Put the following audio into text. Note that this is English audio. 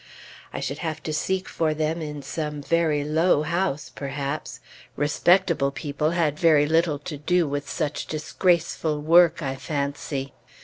I should have to seek for them in some very low house, perhaps; respectable people had very little to do with such disgraceful work, I fancy.